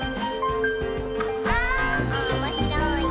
「おもしろいなぁ」